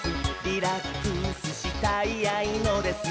「リラックスしたいあいのです」